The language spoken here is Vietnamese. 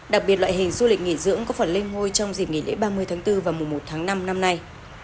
đặc biệt loại hình du lịch nghỉ dưỡng có phần lên ngôi trong dịp nghỉ lễ ba mươi tháng bốn và mùa một tháng năm năm nay